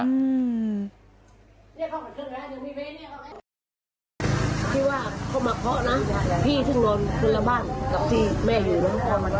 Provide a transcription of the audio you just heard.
พี่ว่าเข้ามาเคาะนะพี่ถึงนอนขึ้นละบ้านกับพี่แม่อยู่นั้น